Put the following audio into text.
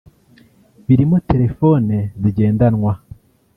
birimo telefone zigendanwa